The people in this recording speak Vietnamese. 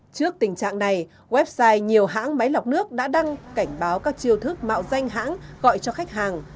trước tình trạng này website nhiều hãng máy lọc nước đã đăng cảnh báo các chiêu thức mạo danh hãng gọi cho khách hàng